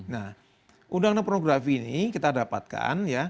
nah undang undang pornografi ini kita dapatkan ya